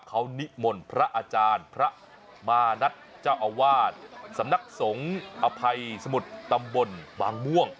เขานิมนต์พระอาจารย์พระมานัทเจ้าอาวาสสำนักสงฆ์อภัยสมุทรตำบลบางม่วง